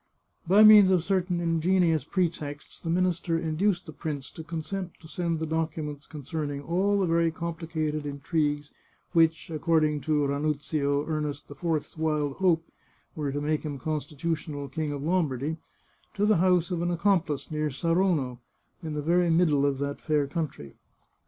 By means of certain ingenious pretexts the minister in 356 The Chartreuse of Parma duced the prince to consent to send the documents concern ing all the very complicated intrigues which, according to Ranuzio Ernest IV's wild hope, were to make him consti tutional King of Lombardy, to the house of an accomplice near Sarono, in the very middle of that fair country.